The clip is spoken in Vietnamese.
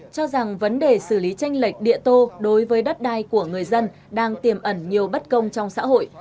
cho rằng vấn đề xử lý tranh lệch địa tô đối với đất đai của người dân đang tiềm ẩn nhiều bất công trong xã hội